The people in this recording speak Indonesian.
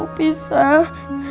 ibu mau pisah